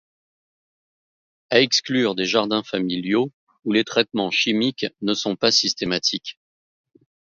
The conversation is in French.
À exclure des jardin familiaux où les traitements chimiques ne sont pas systématiques.